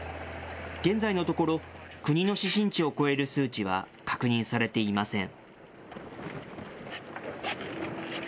現在のところ、国の指針値を超える数値は確認されていません。